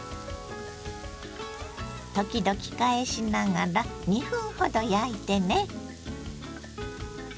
時々返しながら２分ほど焼いてね。